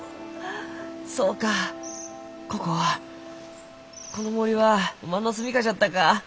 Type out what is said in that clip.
そうかここはこの森はおまんの住みかじゃったか。